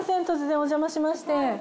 突然お邪魔しまして。